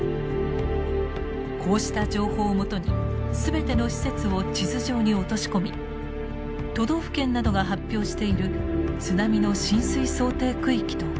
こうした情報をもとに全ての施設を地図上に落とし込み都道府県などが発表している津波の浸水想定区域と重ね合わせました。